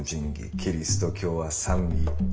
キリスト教は「三位一体」。